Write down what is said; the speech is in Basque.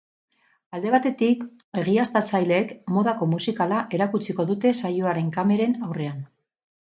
Alde batetik, egiaztatzaileek modako musikala erakutsiko dute saioaren kameren aurrean.